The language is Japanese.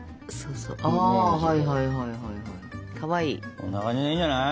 こんな感じでいいんじゃない？